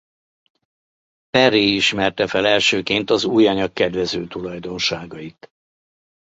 Perret ismerte fel elsőként az új anyag kedvező tulajdonságait.